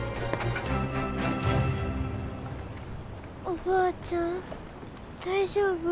おばあちゃん大丈夫？